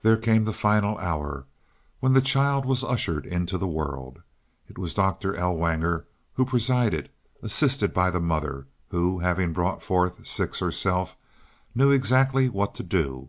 There came the final hour when the child was ushered into the world. It was Doctor Ellwanger who presided, assisted by the mother, who, having brought forth six herself, knew exactly what to do.